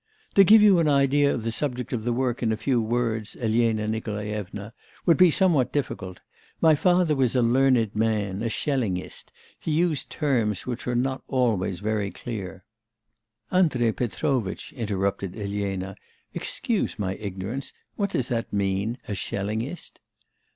'To give you an idea of the subject of the work in few words, Elena Nikolaevna, would be somewhat difficult. My father was a learned man, a Schellingist; he used terms which were not always very clear ' 'Andrei Petrovitch,' interrupted Elena, 'excuse my ignorance, what does that mean, a Schellingist?